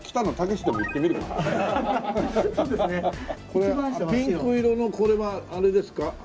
これピンク色のこれはあれですか？